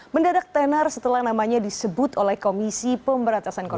mendadak tenar setelah namanya disebut oleh komisi pemberantasan korupsi